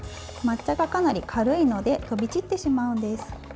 抹茶がかなり軽いので飛び散ってしまうんです。